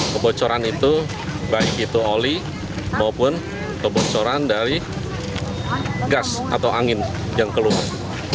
kebocoran itu baik itu oli maupun kebocoran dari gas atau angin yang keluar